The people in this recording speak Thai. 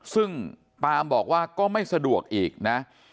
ซึ่งปามบอกว่าก็ไม่สะดวกอีกนะ